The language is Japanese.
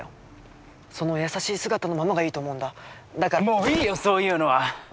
もういいよそういうのは！